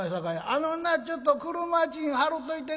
「あのなちょっと俥賃払うといてくれ」。